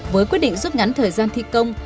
với quyết định rút ngắn thời gian thi công